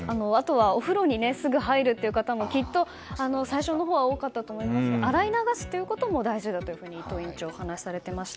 お風呂にすぐ入る方もきっと最初のほうは多かったと思いますが洗い流すことも大事だと伊藤院長話されていました。